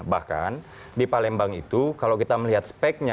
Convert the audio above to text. bahkan di palembang itu kalau kita melihat speknya